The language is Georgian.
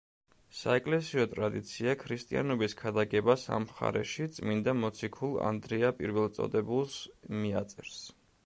საეკლესიო ტრადიცია ქრისტიანობის ქადაგებას ამ მხარეში წმინდა მოციქულ ანდრია პირველწოდებულს მიაწერს.